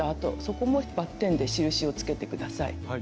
そこもバッテンで印をつけて下さい。